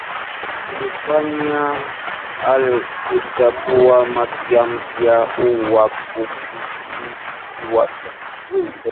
Ilifanya al-Qaeda kuwa Mafia mpya au Wakomunisti wapya.